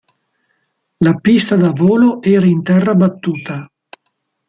La pista da volo era in terra battuta.